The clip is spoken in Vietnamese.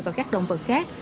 và các động vật khác